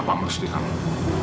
bapak mesti hangat